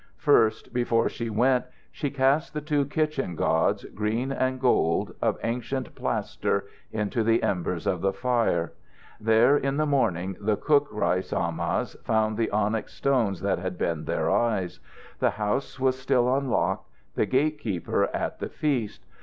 First, before she went, she cast the two kitchen gods, green and gold, of ancient plaster, into the embers of the fire. There in the morning the cook rice amahs found the onyx stones that had been their eyes. The house was still unlocked, the gate keeper at the feast.